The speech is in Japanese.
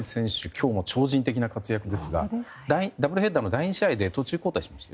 今日も超人的な活躍ですがダブルヘッダーの第２試合で途中交代しました。